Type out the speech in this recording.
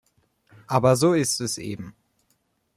Aber so ist es eben.